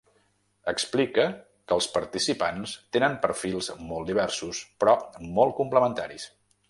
Explica que els participants tenen perfils molt diversos, però molt complementaris.